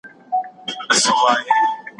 ماشین د کتابونو پاڼې په دقت سره ګوري.